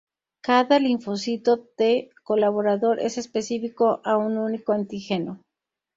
Cada linfocito T colaborador es específico a un único antígeno.